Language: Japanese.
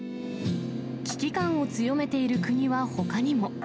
危機感を強めている国は、ほかにも。